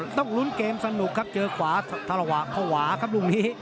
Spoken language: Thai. ต้องลุ้นเกมสนุกครับเจอขวาทะละวะภาวะครับลูกนี้